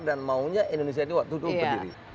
dan maunya indonesia itu waktu itu berdiri